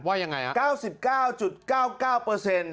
ว่ายังไงครับ๙๙๙๙